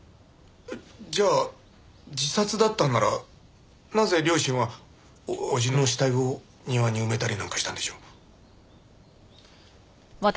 じゃあ自殺だったんならなぜ両親は叔父の死体を庭に埋めたりなんかしたんでしょう？